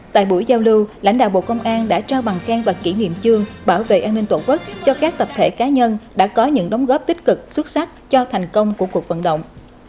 tại buổi giao lưu lãnh đạo bộ công an đã trao bằng khen và kỷ niệm chương bảo vệ an ninh tổ quốc cho các tập thể cá nhân đã có những đóng góp tích cực xuất sắc cho thành công của cuộc vận động